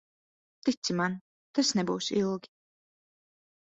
Tici man, tas nebūs ilgi.